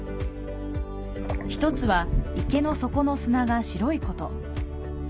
１つは池の底の砂が白いこと。